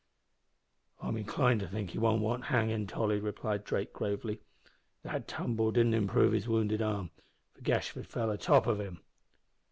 "I'm inclined to think he won't want hangin', Tolly," replied Drake, gravely. "That tumble didn't improve his wounded arm, for Gashford fell atop of him."